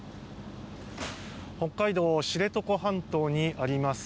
北海道知床半島にあります